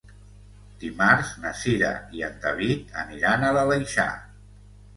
Dimarts na Cira i en David aniran a l'Aleixar.